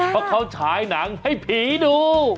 เพราะเขาฉายหนังให้ผีดู